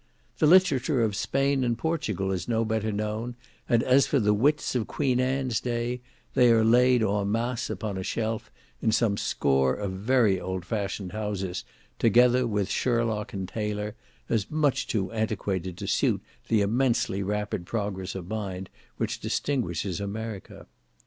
The literature of Spain and Portugal is no better known, and as for "the wits of Queen Anne's day," they are laid en masse upon a shelf, in some score of very old fashioned houses, together with Sherlock and Taylor, as much too antiquated to suit the immensely rapid progress of mind which distinguishes America.